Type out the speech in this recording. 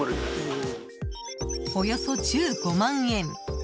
およそ１５万円。